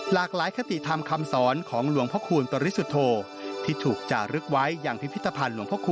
หลากหลายคติธรรมคำสอนของหลวงพระคูณปริสุทธโธที่ถูกจารึกไว้อย่างพิพิธภัณฑ์หลวงพระคู